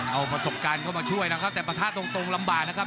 เอาประสบการณ์เข้ามาช่วยนะครับแต่ประทะตรงลำบากนะครับ